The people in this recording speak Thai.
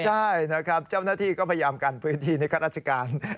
ใช่นะครับเจ้าหน้าที่ก็พยายามกันพื้นที่ในข้าราชการ